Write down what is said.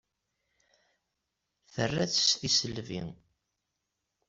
Tra-tt s tisselbi.